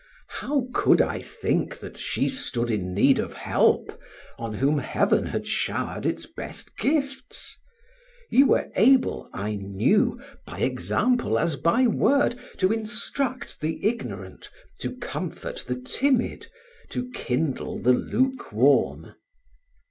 How could I think that she stood in need of help on whom Heaven had showered its best gifts? You were able, I knew, by example as by word, to instruct the ignorant, to comfort the timid, to kindle the lukewarm.